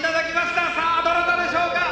「さあどなたでしょうか？」